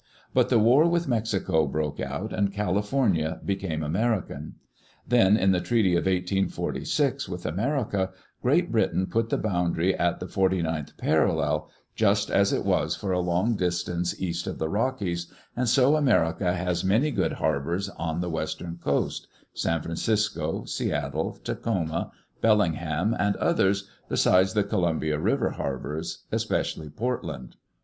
But the war with Mexico broke out, and California became American. Then in the treaty of 1846 with America, Great Britain put the boundary at the forty ninth parallel, just as it was for a long distance east of the Rockies, and so America has many good har bors on the western coast: San Francisco, Seattle, Tacoma, Bellingham, and others, besides the Columbia River har bors, especially Portland.